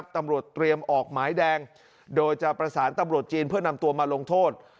ตำรวจเตรียมออกหมายแดงโดยจะประสานตำรวจจีนเพื่อนำตัวมาลงโทษ